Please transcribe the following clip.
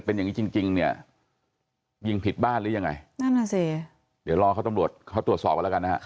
ไม่มีครับ